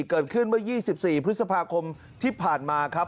เกิดขึ้นเมื่อ๒๔พฤษภาคมที่ผ่านมาครับ